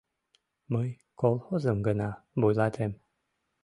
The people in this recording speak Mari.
— Мый колхозым гына вуйлатем.